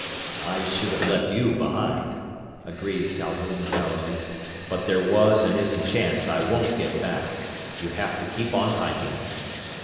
"I should have left you behind," agreed Calhoun dourly, "but there was and is a chance I won't get back. You'll have to keep on hiking."